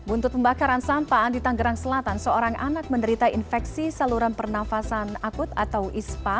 untuk pembakaran sampah di tanggerang selatan seorang anak menderita infeksi saluran pernafasan akut atau ispa